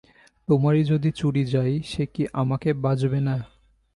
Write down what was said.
তোমারই যদি চুরি যায় সে কি আমাকে বাজবে না?